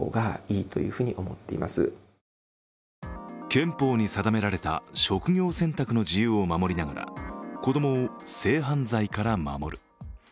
憲法に定められた職業選択の自由を守りながら子供を性犯罪から守る。